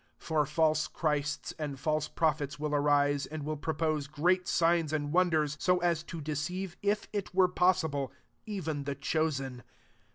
24 For fdH Christs and false prophets w9 arise, and will propose grefl signs and wonders, so as to dw ceive, if it were possible, evci the chosen.